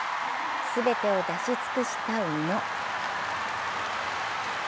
全てを出し尽くした宇野。